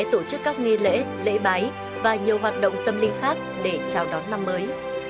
tổ chức các nghi lễ lễ bái và nhiều hoạt động tâm linh khác để chào đón năm mới